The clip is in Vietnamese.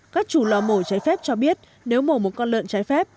các chủ lò mổ cháy phép cho biết nếu mổ một con lợn trái phép